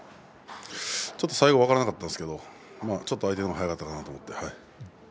ちょっと最後分からなかったんですけどちょっと相手のほうが速かったかなと思って。